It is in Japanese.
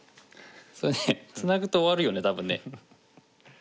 それねツナぐと終わるよね多分ね。